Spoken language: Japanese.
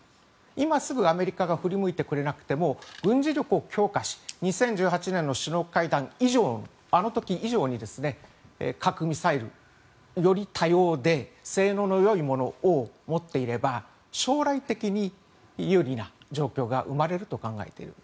今すぐアメリカが振り向いてくれなくても軍事力を強化し２０１８年の首脳会談以上のあの時以上に核・ミサイルより多様で性能のよいものを持っていれば将来的に有利な状況が生まれると考えている。